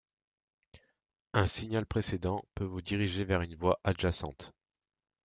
Un signal précédent peut vous diriger vers une voie adjacente.